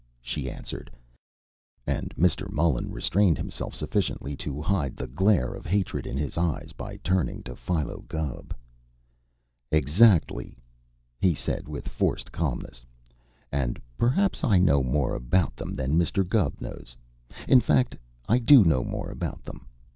she answered, and Mr. Mullen restrained himself sufficiently to hide the glare of hatred in his eyes by turning to Philo Gubb. "Exactly!" he said with forced calmness. "And perhaps I know more about them than Mr. Gubb knows. In fact, I do know more about them.